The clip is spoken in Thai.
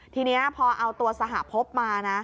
ทีนี้พอเอาตัวสหภพมา